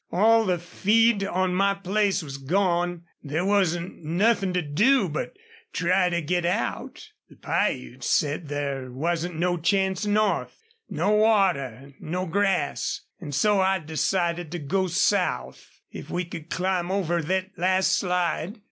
All the feed on my place was gone. There wasn't nothin' to do but try to git out. The Piutes said there wasn't no chance north no water no grass an' so I decided to go south, if we could climb over thet last slide.